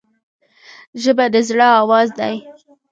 ژبه د زړه آواز دی